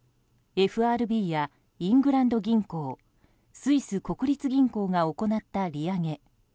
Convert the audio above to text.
ＦＲＢやイングランド銀行スイス国立銀行が行った利上げ。